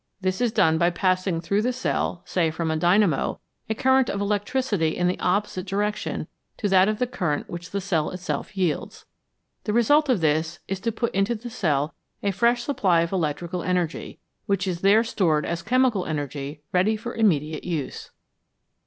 This is done by passing through the cell, say from a dynamo, a current of electricity in the opposite direction to that of the current which the cell itself yields. The result of this is to put into the cell a fresh supply of electrical energy, which is there stored as chemical energy ready for immediate use.